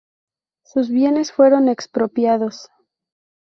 Sus bienes fueron expropiados.